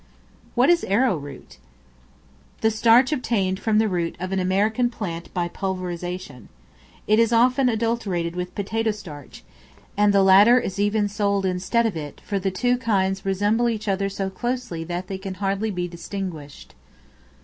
What is Arrow root? The starch obtained from the root of an American plant by pulverization. It is often adulterated with potato starch, and the latter is even sold instead of it, for the two kinds resemble each other so closely that they can hardly be distinguished.